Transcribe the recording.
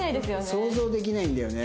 想像できないんだよね。